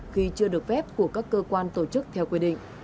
khi chưa được phép của các cơ quan tổ chức theo quy định